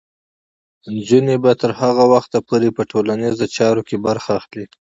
نجونې به تر هغه وخته پورې په ټولنیزو چارو کې برخه اخلي.